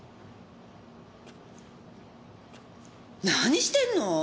何してんの？